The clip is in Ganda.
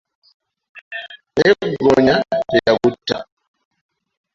Naye ggoonya teyagutta.